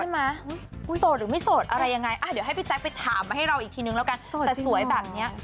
โน้ตเจ๊กไปถามให้นะเลยเนี่ยแต่สวยแบบนี้ไม่น่าโสดอยู่ในนาน